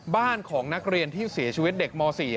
บ้านของนักเรียนที่เสียชีวิตเด็กม๔